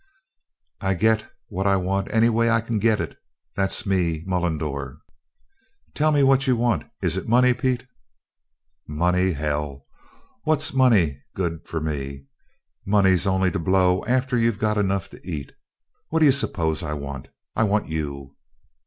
"I git what I want any way I can git it. That's me Mullendore." "Tell me what you want! Is it money, Pete?" "Money! Hell! What's money good for to me? Money's only to blow after you've got enough to eat. What do you spose I want? I want you!"